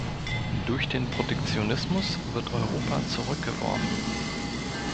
Durch den Protektionismus wird Europa zurückgeworfen.